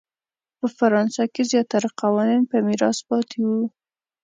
په فرانسه کې زیاتره قوانین په میراث پاتې وو.